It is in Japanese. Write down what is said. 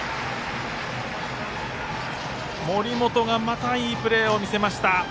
森本、またいいプレーを見せました。